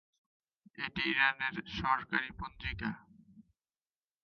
এটি ইরানের সরকারী পঞ্জিকা।